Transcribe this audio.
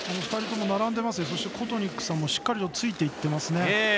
２人とも、並んでいますしコトニクさんもしっかりとついていってますね。